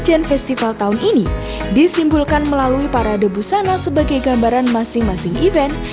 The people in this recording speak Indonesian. ijen festival tahun ini disimpulkan melalui para debu sana sebagai gambaran masing masing event